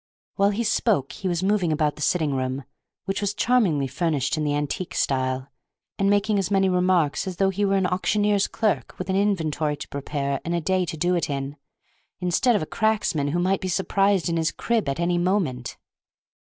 While he spoke he was moving about the sitting room, which was charmingly furnished in the antique style, and making as many remarks as though he were an auctioneer's clerk with an inventory to prepare and a day to do it in, instead of a cracksman who might be surprised in his crib at any moment.